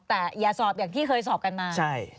แต่อย่าสอบอย่างที่เคยสอบกันมา